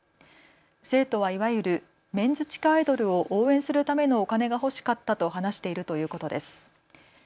生徒はいわゆるメンズ地下アイドルを応援するためのお金が欲しかったと話しているということです。